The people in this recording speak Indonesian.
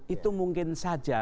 itu mungkin saja